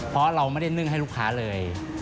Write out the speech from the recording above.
เพราะเราไม่ได้นึ่งให้ลูกค้าเลย